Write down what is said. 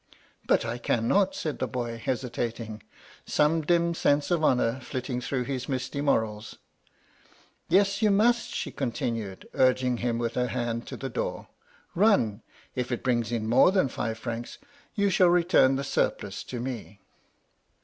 "*But I cannot,' said the boy, hesitating; some dim sense of honour flitting through his misty morals. "* Yes ; you must !' she continued, urging him with her hand to the door. * Run 1 if it brings in more than five francs, you shall return the surplus to me.'